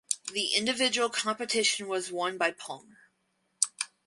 The individual competition was won by Palmer.